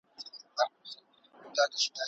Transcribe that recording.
هغه وویل چې کلتور د ملت ژوند دی.